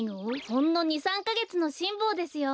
ほんの２３かげつのしんぼうですよ。